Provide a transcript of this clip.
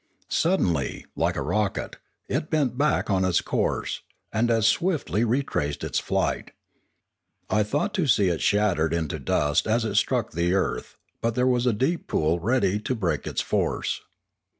Sud denly, like a rocket, it bent back on its course, and as swiftly retraced its flight. I thought to see it shattered into dust as it struck the earth, but there was a deep pool ready to break its force.